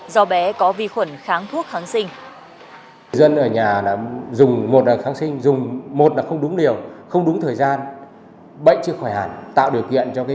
do bé có vi khuẩn kháng thuốc kháng sinh